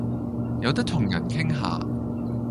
有得同人傾下